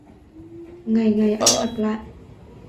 Ngày ngày anh lặp lại